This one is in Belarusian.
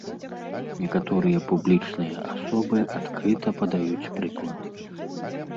Некаторыя публічныя асобы адкрыта падаюць прыклад.